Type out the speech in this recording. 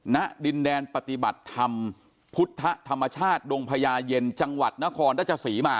ณดินแดนปฏิบัติธรรมพุทธธรรมชาติดงพญาเย็นจังหวัดนครราชสีมา